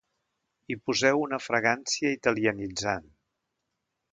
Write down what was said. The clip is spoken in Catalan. Hi poseu una fragància italianitzant.